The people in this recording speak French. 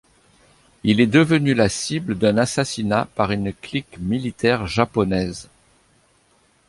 Il est devenu la cible d'un assassinat par une clique militaire Japonaise.